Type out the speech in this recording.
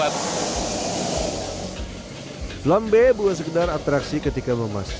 teorinya sih tahu prakteknya awamat